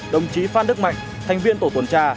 đồng chí phan đức mạnh thành viên tổ tuần tra